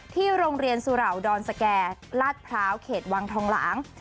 ที่โรงเรียนสุเหล่าดอนสแก่ลาดพร้าวเขตวังทองหลาง